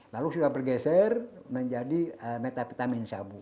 lalu sudah bergeser menjadi metavitamin sabu